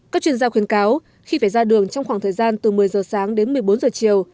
các chuyên gia khuyến cáo khi phải ra đường trong khoảng thời gian từ một mươi giờ sáng đến một mươi bốn giờ chiều